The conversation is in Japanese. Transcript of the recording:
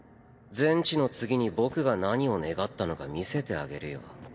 全知の次に僕が何を願ったのか見せてあげるよ。